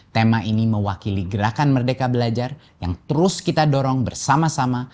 tema ini mewakili gerakan merdeka belajar yang terus kita dorong bersama sama